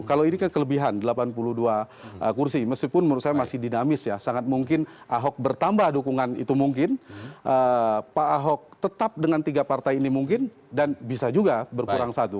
kalau ini kan kelebihan delapan puluh dua kursi meskipun menurut saya masih dinamis ya sangat mungkin ahok bertambah dukungan itu mungkin pak ahok tetap dengan tiga partai ini mungkin dan bisa juga berkurang satu